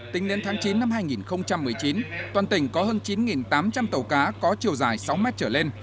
tính đến tháng chín năm hai nghìn một mươi chín toàn tỉnh có hơn chín tám trăm linh tàu cá có chiều dài sáu mét trở lên